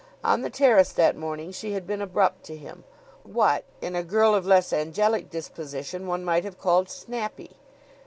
On the terrace that morning she had been abrupt to him what in a girl of less angelic disposition one might have called snappy.